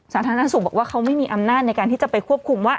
สาธารณสุขบอกว่าเขาไม่มีอำนาจในการที่จะไปควบคุมว่า